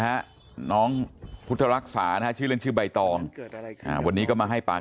ฮะน้องพุทธรักษาชื่อเรียนชื่อใบต่อวันนี้ก็มาให้ปาก